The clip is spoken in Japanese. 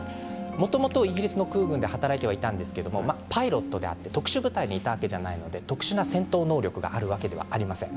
もともとイギリスの空軍で働いてはいたんですがパイロットで特殊部隊にいたわけではないので特殊な戦闘能力があるわけではありません。